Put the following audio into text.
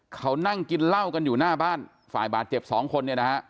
เขานั่งกินเหล้ากันอยู่หน้าบ้านฝ่ายบาดเจ็บ๒คน